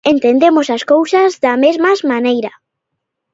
Entendemos as cousas da mesmas maneira.